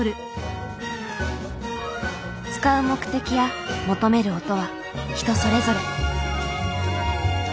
使う目的や求める音は人それぞれ。